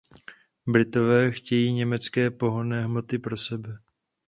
Britové chtějí německé pohonné hmoty pro sebe.